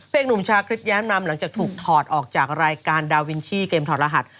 เอกหนุ่มชาคริสแย้มนำหลังจากถูกถอดออกจากรายการดาวินชี่เกมถอดรหัส